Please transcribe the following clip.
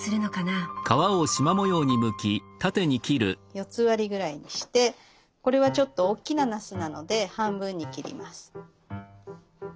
四つ割りぐらいにしてこれはちょっとおっきななすなので半分に切ります。